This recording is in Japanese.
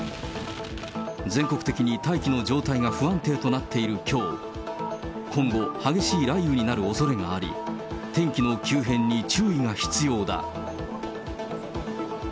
全国的に大気の状態が不安定になっているきょう、今後、激しい雷雨になるおそれがあり、天気の急変に注意が必要だ。